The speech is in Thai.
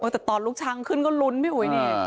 แต่ตอนลูกช้างขึ้นก็ลุ้นพี่อุ๋ยนี่